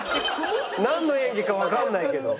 なんの演技かわかんないけど。